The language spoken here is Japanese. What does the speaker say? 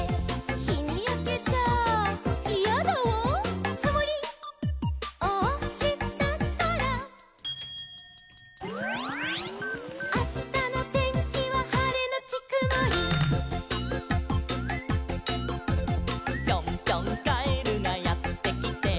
「『ひにやけちゃイヤだわ』」「くもりをおしたから」「あしたのてんきははれのちくもり」「ぴょんぴょんカエルがやってきて」